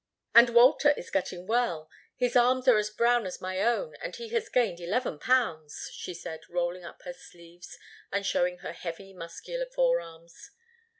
"And Walter is getting well. His arms are as brown as my own and he has gained eleven pounds," she said, rolling up her sleeves and showing her heavy, muscular forearms.